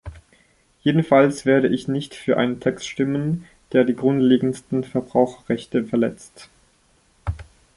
Jedenfalls werde ich nicht für einen Text stimmen, der die grundlegendsten Verbraucherrechte verletzt.